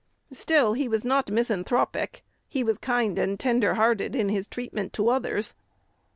Still he was not misanthropic: he was kind and tender hearted in his treatment to others.